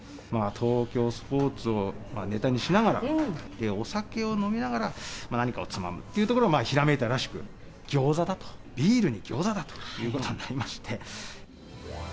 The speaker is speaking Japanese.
東京スポーツをネタにしながら、お酒を飲みながら何かをつまむというところをひらめいたらしく、ギョーザだと、ビールにギョーザだということになりまして。